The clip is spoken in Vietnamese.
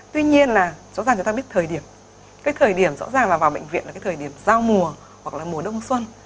tuy nhiên là rõ ràng người ta biết thời điểm cái thời điểm rõ ràng là vào bệnh viện là cái thời điểm giao mùa hoặc là mùa đông xuân